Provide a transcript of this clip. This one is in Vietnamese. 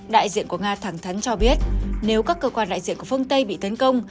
đại diện của nga thẳng thắn cho biết nếu các cơ quan đại diện của phương tây bị tấn công